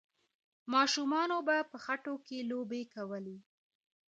ماشومانو به په خټو کې لوبې کولې.